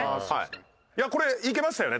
これいけましたよね？